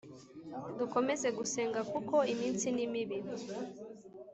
Dukomeze gusenga kuko iminsi ni mibi